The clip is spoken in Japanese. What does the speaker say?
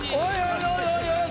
おいおいおい！